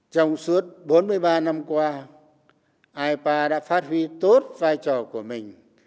trong suốt bốn mươi ba năm qua ipa đã phát huy tốt vai trò của mình